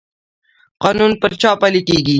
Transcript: قانون پر چا پلی کیږي؟